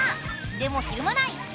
でもひるまない！